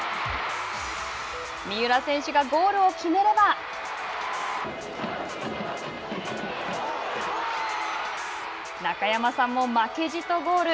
三浦選手がゴールを決めれば中山さんも負けじとゴール！